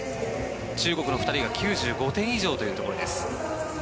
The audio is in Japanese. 中国の２人が９５点以上というところ。